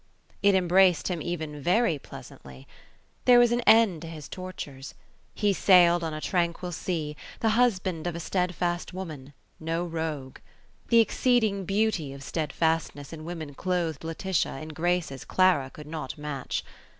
It embraced him even very pleasantly. There was an end to his tortures. He sailed on a tranquil sea, the husband of a stedfast woman no rogue. The exceeding beauty of stedfastness in women clothed Laetitia in graces Clara could not match.